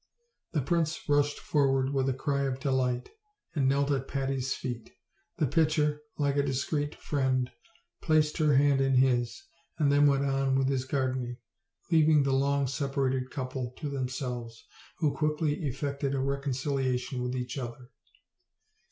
The prince rushed forward with a cry of delight, and knelt at Patty's feet. The pitcher, like a discreet friend, placed her hand in his, and then went on with his gardening, leaving the long separated couple to themselves, who quickly effected a reconciliation with each other.